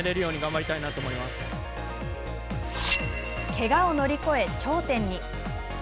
けがを乗り越え、頂点に。